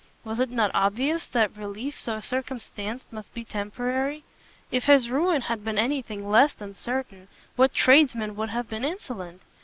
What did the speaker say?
Was it not obvious that relief so circumstanced must be temporary? If his ruin had been any thing less than certain, what tradesmen would have been insolent?